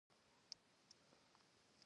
څومره وخت نیسي؟